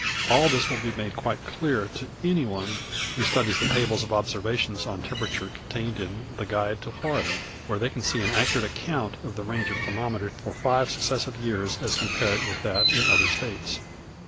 All this will be made quite clear to any one who will study the tables of observations on temperature contained in "The Guide to Florida," where they can see an accurate account of the range of the thermometer for five successive years as compared with that in other States.